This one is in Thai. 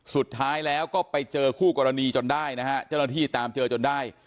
สุดท้ายแล้วก็ไปเจอคู่กรณีจนได้นะฮะเจ้าหน้าที่ตามเจอจนได้